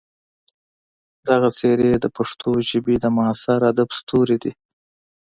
دغه څېرې د پښتو ژبې د معاصر ادب ستوري دي.